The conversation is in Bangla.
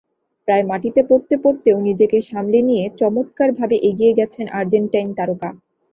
প্রায় মাটিতে পড়তে পড়তেও নিজেকে সামলে নিয়ে চমত্কারভাবে এগিয়ে গেছেন আর্জেন্টাইন তারকা।